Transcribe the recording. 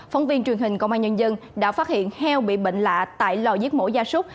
phóng viên truyền hình công an nhân dân đã phát hiện heo bị bệnh lạ tại lò giết mổ gia súc